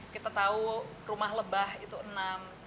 kita tahu rumah lebah itu enam